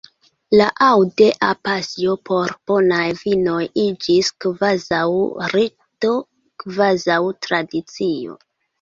La "Aude-a" pasio por bonaj vinoj iĝis kvazaŭ rito, kvazaŭ tradicio.